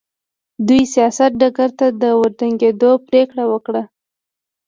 دوی سیاست ډګر ته د ورګډېدو پرېکړه وکړه.